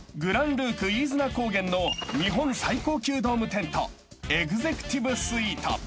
［ＧＬＡＭＰＲＯＯＫ飯綱高原の日本最高級ドームテントエグゼクティブ・スイート］